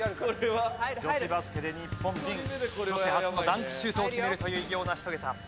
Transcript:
女子バスケで日本人女子初のダンクシュートを決めるという偉業を成し遂げたスター選手。